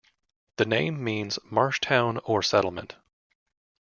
The name means 'marsh town or settlement'.